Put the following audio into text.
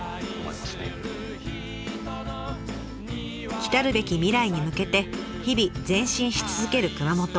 きたるべき未来に向けて日々前進し続ける熊本。